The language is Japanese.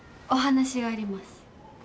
お話があります。